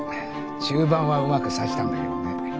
中盤はうまく指したんだけどね。